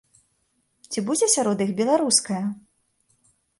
Ці будзе сярод іх беларуская?